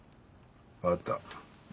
わかった。